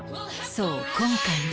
そう今回は